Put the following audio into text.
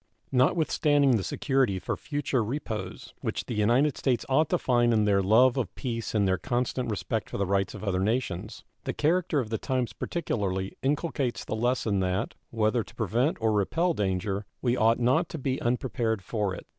Notwithstanding the security for future repose which the United States ought to find in their love of peace and their constant respect for the rights of other nations, the character of the times particularly inculcates the lesson that, whether to prevent or repel danger, we ought not to be unprepared for it.